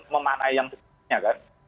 memanai yang sebenarnya kan